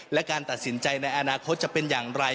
และการตัดสินใจในอนาคตจะเป็นอย่างไร